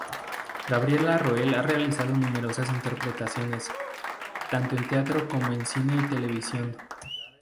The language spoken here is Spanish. Gabriela Roel ha realizado numerosas interpretaciones, tanto en teatro como en cine y televisión.